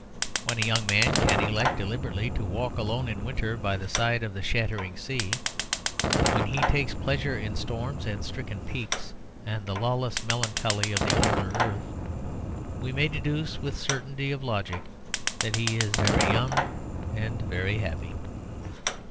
When a young man can elect deliberately to walk alone in winter by the side of the shattering sea, when he takes pleasure in storms and stricken peaks, and the lawless melancholy of the older earth, we may deduce with the certainty of logic that he is very young and very happy.